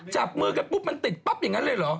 จับมือกันปุ๊บมันติดปั๊บอย่างนั้นเลยเหรอ